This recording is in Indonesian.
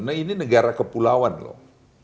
nah ini negara kepulauan loh